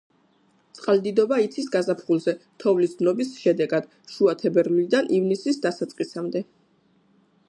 წყალდიდობა იცის გაზაფხულზე, თოვლის დნობის შედეგად, შუა თებერვლიდან ივნისის დასაწყისამდე.